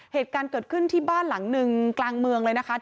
เหตุการณ์เกิดขึ้นที่บ้านหลังหนึ่งกลางเมืองเลยนะคะ